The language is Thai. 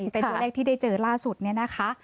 แจกไพ่เป็นตัวเลขที่ได้เจอล่าสุดนี่นะคะ